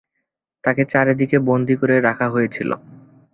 তাকে চারদিন বন্দি করে রাখা হয়েছিল।